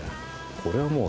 これはもう。